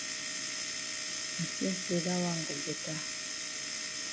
I tink say dat wan go beta.